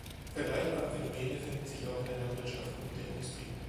Vergleichbare Phänomene finden sich auch in der Landwirtschaft und der Industrie.